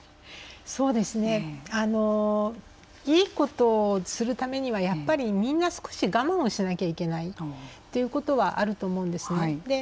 そうですねいいことをするためにはやっぱりみんな少し我慢をしなきゃいけないっていうことはあると思うんですね。